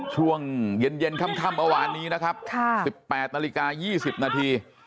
ช่วงเย็นค่ำเมื่อวานนี้นะครับ๑๘นาฬิกา๒๐นาที